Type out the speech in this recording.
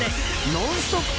ノンストップ！